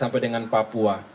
sampai dengan papua